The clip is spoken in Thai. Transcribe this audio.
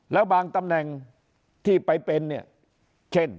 และบางตำแหน่งที่ไปเป็นเช่น